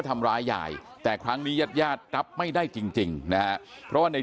ทำร้ายยายแต่ครั้งนี้ญาติญาติรับไม่ได้จริงนะฮะเพราะว่าใน